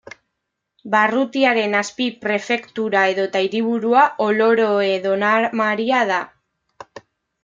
Barrutiaren azpi-prefektura edota hiriburua Oloroe-Donamaria da.